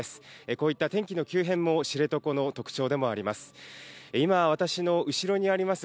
こういった天気の急変も知床の特徴でもあります。